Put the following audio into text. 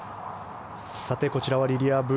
さて、こちらはリリア・ブ。